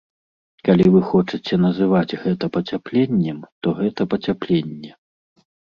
Калі вы хочаце называць гэта пацяпленнем, то гэта пацяпленне.